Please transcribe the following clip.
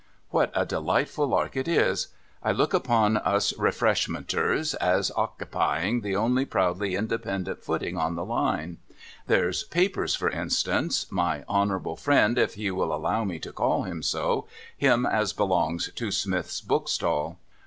What a delightful lark it is ! I look upon us Refreshmenters as ockipying the only proudly independent footing on the Line. There's Papers, for instance, — my honourable friend, if he will allow me to call him so, — him as belongs to Smith's bookstall.